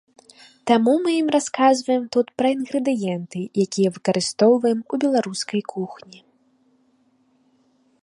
Таму мы ім расказваем тут пра інгрэдыенты, якія выкарыстоўваем у беларускай кухні.